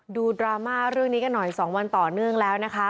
ดราม่าเรื่องนี้กันหน่อย๒วันต่อเนื่องแล้วนะคะ